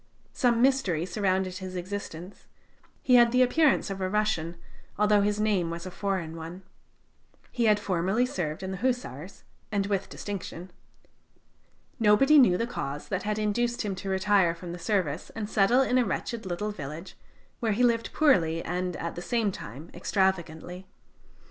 Some mystery surrounded his existence; he had the appearance of a Russian, although his name was a foreign one. He had formerly served in the Hussars, and with distinction. Nobody knew the cause that had induced him to retire from the service and settle in a wretched little village, where he lived poorly and, at the same time, extravagantly.